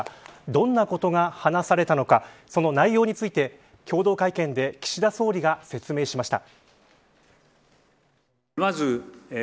どんなことが話されたのかその内容について共同会見で岸田総理が説明しました。